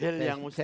hel yang mustahil